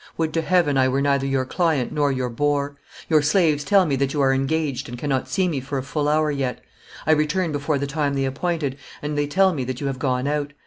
Would to Heaven I were neither your client nor your bore. Your slaves tell me that you are engaged and cannot see me for a full hour yet; I return before the time they appointed, and they tell me that you have gone out.